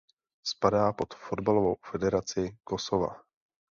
Spadá pod Fotbalovou federaci Kosova.